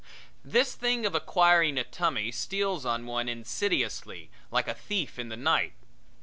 This thing of acquiring a tummy steals on one insidiously, like a thief in the night.